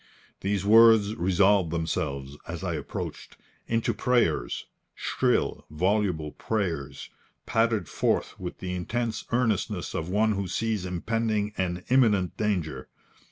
These words resolved themselves, as I approached, into prayers shrill, voluble prayers, pattered forth with the intense earnestness of one who sees impending an imminent danger.